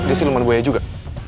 ini siluman buaya juga